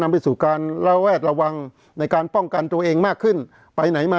ไปสู่การระแวดระวังในการป้องกันตัวเองมากขึ้นไปไหนมา